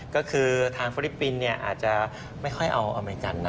ก็คือทางฟิลิปปินส์อาจจะไม่ค่อยเอาอเมริกัน